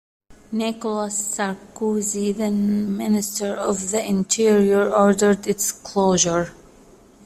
Nicolas Sarkozy, then Minister of the Interior, ordered its closure.